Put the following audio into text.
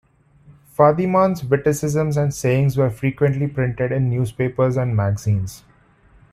Fadiman's witticisms and sayings were frequently printed in newspapers and magazines.